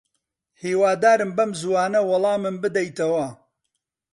هیوادارم بەم زووانە وەڵامم بدەیتەوە.